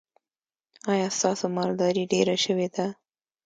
ایا ستاسو مالداري ډیره شوې ده؟